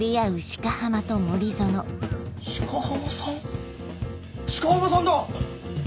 鹿浜さんだ！